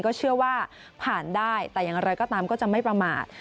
ก็เชื่อว่าผ่านได้แต่อย่างไรก็ตามก็จะไม่ประมาท